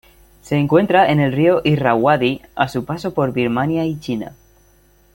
Se encuentra en el río Irrawaddy a su paso por Birmania y China.